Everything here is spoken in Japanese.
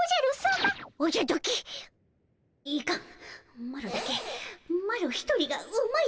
マロだけマロ一人がうまいとは言えぬ。